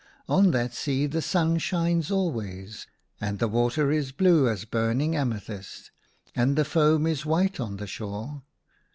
On that sea the sun shines always, and the water is blue as burning amethyst, and the foam is white on the shore.